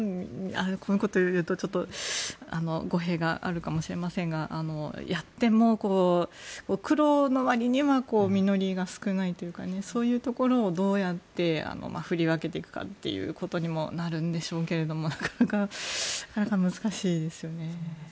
こんなこと言うと語弊があるかもしれませんがやっても、苦労のわりには実りが少ないというかそういうところをどうやって振り分けていくかということにもなるんでしょうけどなかなか難しいですよね。